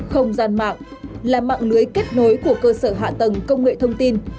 không gian mạng là mạng lưới kết nối của cơ sở hạ tầng công nghệ thông tin